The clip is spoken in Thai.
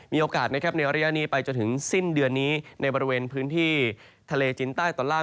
มีโอกาสนะครับในระยะนี้ไปจนถึงสิ้นเดือนนี้ในบริเวณพื้นที่ทะเลจินใต้ตอนล่าง